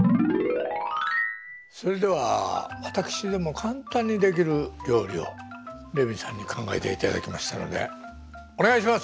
それでは私でも簡単にできる料理をレミさんに考えていただきましたのでお願いします